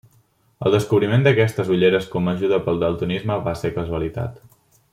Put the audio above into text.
El descobriment d'aquestes ulleres com a ajuda pel daltonisme va ser casualitat.